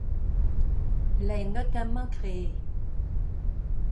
L' est notamment créée.